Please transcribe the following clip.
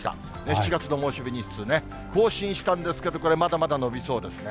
７月の猛暑日日数ね、更新したんですけど、これ、まだまだ延びそうですね。